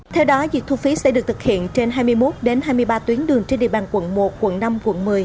theo đó dịch thu phí sẽ được thực hiện trên hai mươi một hai mươi ba tuyến đường trên địa bàn quận một quận năm quận một mươi